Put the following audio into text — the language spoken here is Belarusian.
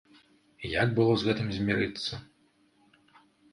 Як было з гэтым змірыцца?